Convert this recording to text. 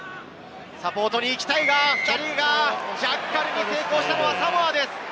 サポートに行きたいがジャッカルに成功したのはサモアです。